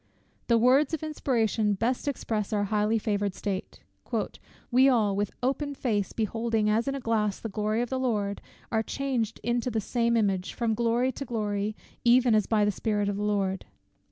The words of inspiration best express our highly favoured state: "We all, with open face beholding as in a glass the glory of the Lord, are changed into the same image, from glory to glory, even as by the Spirit of the Lord."